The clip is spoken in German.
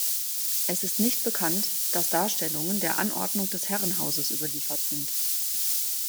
Es ist nicht bekannt, dass Darstellungen der Anordnung des Herrenhauses überliefert sind.